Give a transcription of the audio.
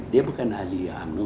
dia bukan ahli umno